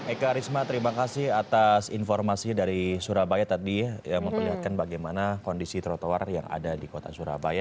eka risma terima kasih atas informasi dari surabaya tadi memperlihatkan bagaimana kondisi trotoar yang ada di kota surabaya